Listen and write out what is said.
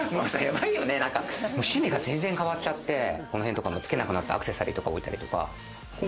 趣味が全然変わっちゃって、この辺とか、つけなくなったアクセサリー置いたりとか。